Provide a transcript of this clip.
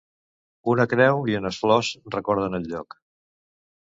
Una creu i unes flors recorden el lloc.